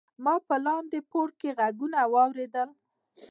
ما په لاندې پوړ کې غږونه واوریدل.